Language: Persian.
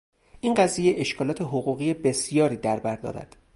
این قضیه اشکالات حقوقی بسیاری دربر دارد.